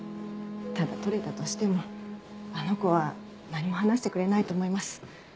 ただ取れたとしてもあの子は何も話してくれないと思います。